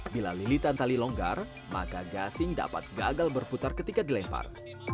bila lilitan tali longgar maka gasing dapat gagal berputar ketika dilempar